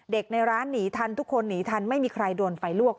ในร้านหนีทันทุกคนหนีทันไม่มีใครโดนไฟลวก